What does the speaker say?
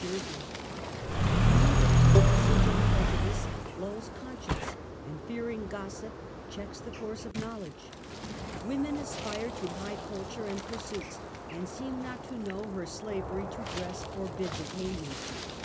J. Yielding to usage and prejudice lulls conscience, and fearing gossip checks the course of knowledge. "Woman aspires to high culture and pursuits, and seems not to know her slavery to dress forbids at tainment.